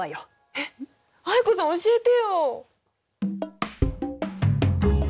えっ藍子さん教えてよ！